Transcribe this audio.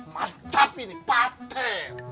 mantap ini pate